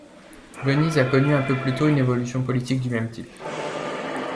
Venise a connu un peu plus tôt une évolution politique du même type.